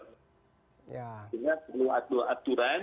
sehingga perlu aturan